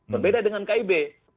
berbeda dengan kib